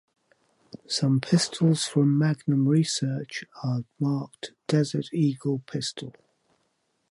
Some pistols from Magnum Research are marked Desert Eagle Pistol.